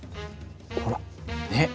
ほらねっ。